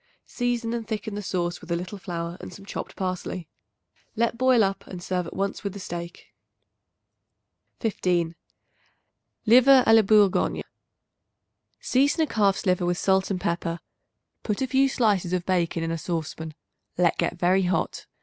Season and thicken the sauce with a little flour and some chopped parsley. Let boil up and serve at once with the steak. 15. Liver a la Bourgogne. Season a calf's liver with salt and pepper; put a few slices of bacon in a saucepan; let get very hot.